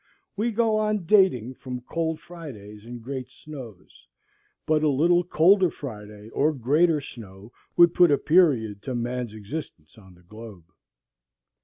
We go on dating from Cold Fridays and Great Snows; but a little colder Friday, or greater snow, would put a period to man's existence on the globe.